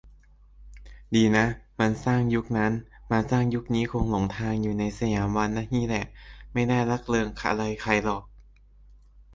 ดีนะมันสร้างยุคนั้น มาสร้างยุคนี้คงหลงทางอยู่ในสยามวันนี่แหละ ไม่ได้รักเริกอะไรใครหรอก